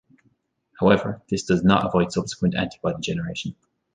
However, this does not avoid subsequent antibody generation.